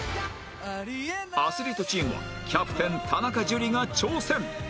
アスリートチームはキャプテン田中樹が挑戦！